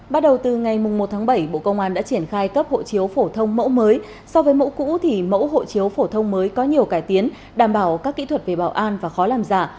bắt đầu từ ngày một tháng bảy bộ công an đã triển khai cấp hộ chiếu phổ thông mẫu mới so với mẫu cũ thì mẫu hộ chiếu phổ thông mới có nhiều cải tiến đảm bảo các kỹ thuật về bảo an và khó làm giả